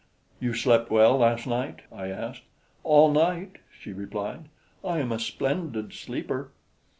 "You slept well last night?" I asked. "All night," she replied. "I am a splendid sleeper."